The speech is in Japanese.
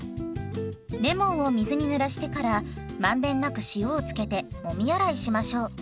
レモンを水にぬらしてから満遍なく塩を付けてもみ洗いしましょう。